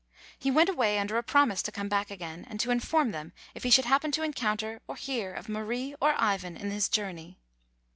He went away under a promise to come back again, and to inform them if he should hap pen to encounter or hear of Marie or Ivan in his journey.